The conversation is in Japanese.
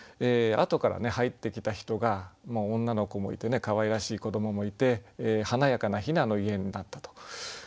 後からね入ってきた人が女の子もいてねかわいらしい子どももいて華やかな「ひなの家」になったと。